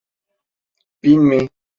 Bin mi?